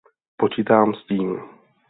Počítám s tím.